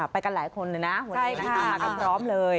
ไปกันหลายคนเลยนะหัวหนุ่มน้ำพร้อมเลย